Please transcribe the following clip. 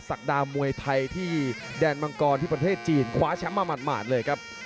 ศักดามวยไทยที่แดนมังกรที่ประเทศจีนคว้าแชมป์มาหมาดเลยครับ